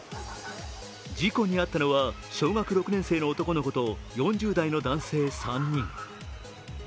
事故に遭ったのは小学６年生の男の子と４０代の男性３人。